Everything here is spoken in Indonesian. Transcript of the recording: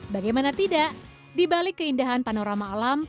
bagaimana tidak di balik keindahan panorama alam